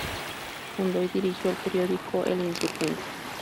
Fundó y dirigió el periódico "El insurgente".